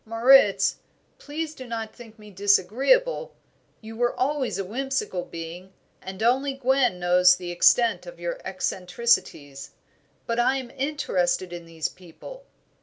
"Moritz, please do not think me disagreeable, you were always a whimsical being, and only Gwen knows the extent of your eccentricities; but I am interested in these people."